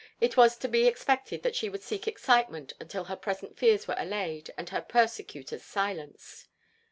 It was to be expected that she would seek excitement until her present fears were allayed and her persecutors silenced.